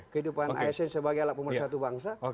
kehidupan asn sebagai alat pemersatu bangsa